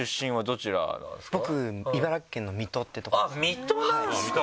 水戸なんですか！